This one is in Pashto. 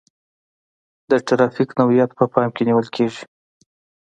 د ترافیک نوعیت په پام کې نیول کیږي